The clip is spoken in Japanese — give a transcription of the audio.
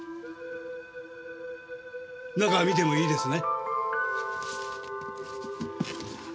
中見てもいいですね？